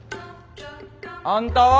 あんたは？